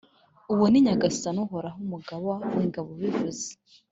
Uwo ni Nyagasani Uhoraho, Umugaba w’ingabo ubivuze.